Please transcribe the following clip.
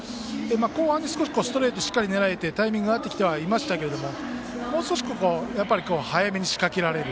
後半にはストレートをしっかり狙えてタイミングが合ってきていましたけれどももう少し早めに仕掛けられる。